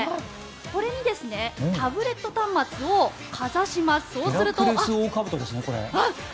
これに、タブレット端末をかざします。